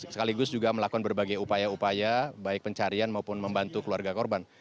sekaligus juga melakukan berbagai upaya upaya baik pencarian maupun membantu keluarga korban